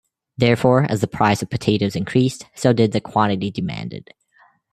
Therefore, as the price of potatoes increased, so did the quantity demanded.